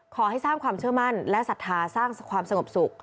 ขอให้สร้างความเชื่อมั่นและศรัทธาสร้างความสงบสุข